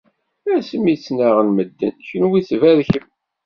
Asmi ttnaɣen medden, kunwi tberkem